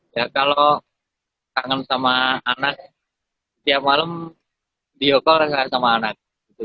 ya kalau kangen sama anak tiap malam diokok rasa kangen sama anak